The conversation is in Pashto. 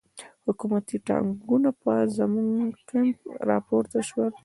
حکومتي ټانګونه پر زموږ کمپ را پورته شول.